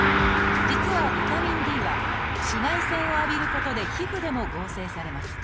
実はビタミンＤは紫外線を浴びることで皮膚でも合成されます。